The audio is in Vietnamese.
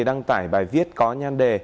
đăng tải bài viết có nhan đề